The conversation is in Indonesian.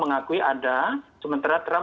mengakui ada sementara trump